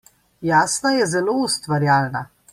Jasna je zelo ustvarjalna.